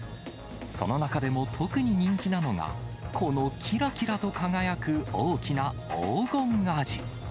その中でも特に人気なのが、このきらきらと輝く大きな黄金アジ。